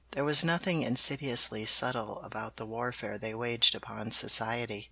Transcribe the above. There was nothing insidiously subtle about the warfare they waged upon Society.